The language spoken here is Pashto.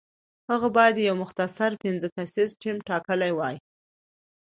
هغه باید یو مختصر پنځه کسیز ټیم ټاکلی وای.